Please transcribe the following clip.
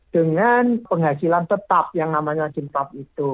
dengan penghasilan tetap yang namanya siltab itu